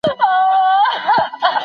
په انګلیسي ژبه کي مهارت لرل لویه بریا ده.